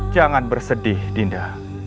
jangan bersedih dinda